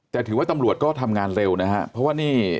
แต่ถือว่าตำรวจก็ทำงานเร็วนะฮะเพราะว่านี่